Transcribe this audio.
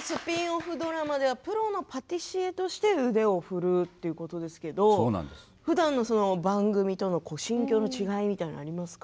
スピンオフドラマではプロのパティシエとして腕を振るうということですけどふだんの番組との心境の違いみたいのはありますか。